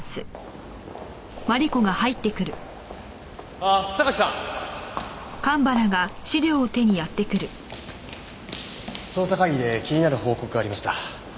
あっ榊さん！捜査会議で気になる報告がありました。